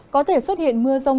có thể xuất hiện mưa rông